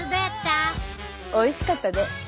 おいしかったね。